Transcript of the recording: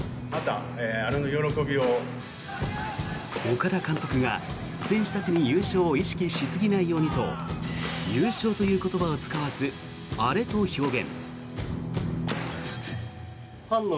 岡田監督が選手たちに優勝を意識しすぎないようにと優勝という言葉を使わずアレと表現。